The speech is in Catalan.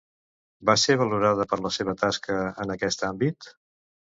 Va ser valorada per la seva tasca en aquest àmbit?